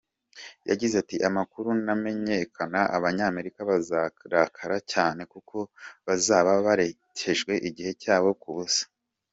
Yagize ati “Amakuru namenyekana, abanyamerika bazarakara cyane kuko bazaba barateshejwe igihe cyabo ku busa.